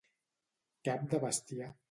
Cap de bestiar.